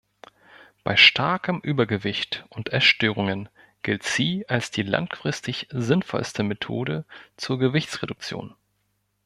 Bei starkem Übergewicht und Essstörungen gilt sie als die langfristig sinnvollste Methode zur Gewichtsreduktion.